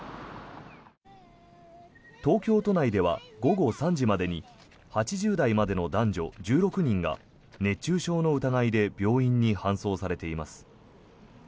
東京都内では午後３時までに８０代までの男女１６人が熱中症の疑いで病院に搬送されています。